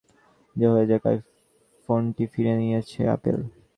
তবে ঘটনার তদন্তে তাইওয়ানে নষ্ট হয়ে যাওয়া আইফোনটি ফিরিয়ে নিয়েছে অ্যাপল।